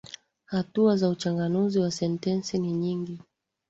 Hatua za uchanganuzi wa sentensi ni nyingi.